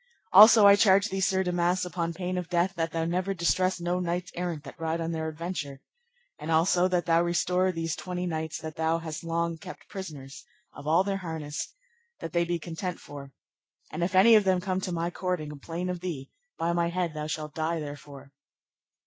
Also I charge thee, Sir Damas, upon pain of death, that thou never distress no knights errant that ride on their adventure. And also that thou restore these twenty knights that thou hast long kept prisoners, of all their harness, that they be content for; and if any of them come to my court and complain of thee, by my head thou shalt die therefore.